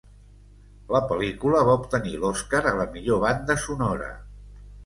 La pel·lícula va obtenir l'Oscar a la millor banda sonora.